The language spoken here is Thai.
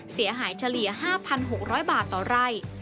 เสียหายเฉลี่ย๕๖๐๐บาทต่อไร่